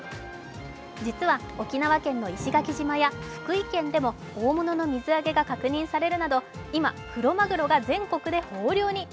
実は沖縄県の石垣島や福井県でも大物の水揚げが確認されるなど今、クロマグロが全国で豊漁に。